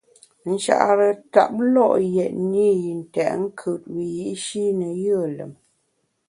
Nchare ntap lo’ yètne yi ntèt nkùt wiyi’shi ne yùe lùm.